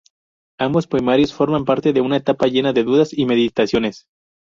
Ambos poemarios forman parte de una etapa llena de dudas y meditaciones.